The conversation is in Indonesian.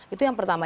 itu yang pertama